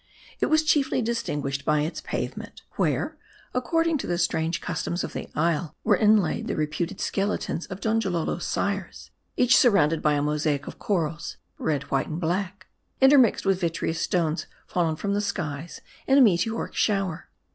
It was chiefly distinguished by its pavement, where, according to the strange customs of the isle, were inlaid the reputed skeletons of Donjalolo's sires ; each surrounded by a mosaic of corals, red, white, and black, intermixed with vitreous stones fallen from the skies in a meteoric shower.